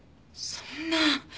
そんな。